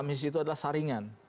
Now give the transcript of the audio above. tamhis itu adalah saringan